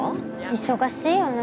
忙しいよね